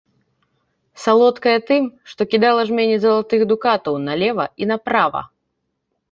Салодкая тым, што кідала жмені залатых дукатаў налева і направа.